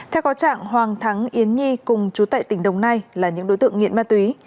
theo có trạng hoàng thắng yến nhi cùng chú tại tỉnh đồng nai là những đối tượng nghiện ma túy